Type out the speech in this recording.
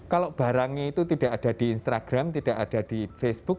kalau barangnya itu tidak ada di instagram tidak ada di facebook